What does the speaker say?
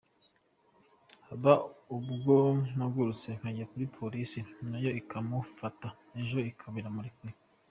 Haba ubwo mpagurutse nkajya kuri polisi, nayo ikamufata, ejo ikaba iramurekuye”.